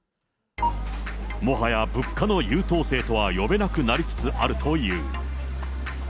もはや物価の優等生とは呼べなくなりつつあるという。